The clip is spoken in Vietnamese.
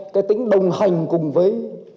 cái tính đồng hành cùng với